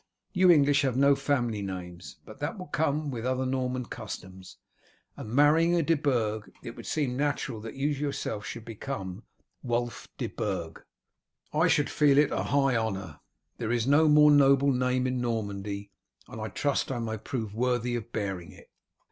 You English have no family names, but that will come with other Norman customs, and marrying a De Burg it would seem natural that you should yourself become Wulf de Burg." "I should feel it a high honour. There is no more noble name in Normandy, and I trust I may prove worthy of bearing it."